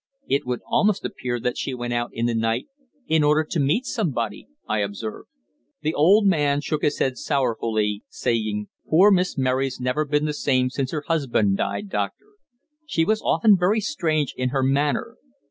"It would almost appear that she went out in the night in order to meet somebody," I observed. The old man shook his head sorrowfully, saying: "Poor Miss Mary's never been the same since her husband died, Doctor. She was often very strange in her manner.